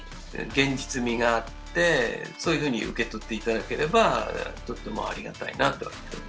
現実味があってそういうふうに受け取って頂ければとってもありがたいなと。